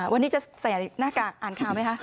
วันนี้จะใส่หน้ากากอ่านข่าวไหมคะ